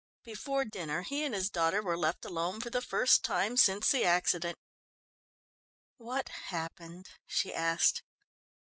Before dinner he and his daughter were left alone for the first time since the accident. "What happened?" she asked.